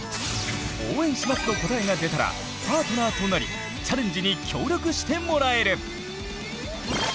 「応援します！」の答えが出たらパートナーとなりチャレンジに協力してもらえる！